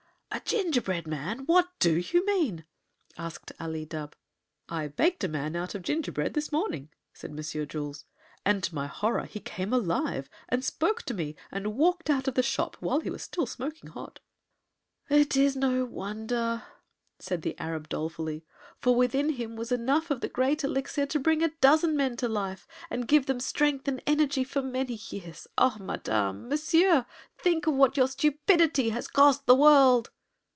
"A gingerbread man! What do you mean?" asked Ali Dubh. "I baked a man out of gingerbread this morning," said Monsieur Jules, "and to my horror he came alive, and spoke to me, and walked out of the shop while he was still smoking hot." "It is no wonder," said the Arab, dolefully; "for within him was enough of the Great Elixir to bring a dozen men to life, and give them strength and energy for many years. Ah, Monsieur and Madame, think of what your stupidity has cost the world!"